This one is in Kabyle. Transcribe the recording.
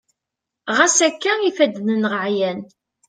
ɣas akka ifadden-nneɣ ɛyan